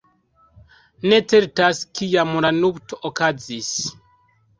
Ne certas kiam la nupto okazis.